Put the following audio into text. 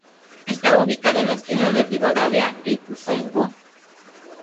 Estaba ubicada en la esquina de Rivadavia e Ituzaingó.